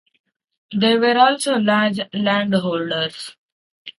They were also large land holders.